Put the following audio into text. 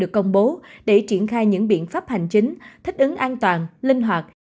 phân bố để triển khai những biện pháp hành chính thích ứng an toàn linh hoạt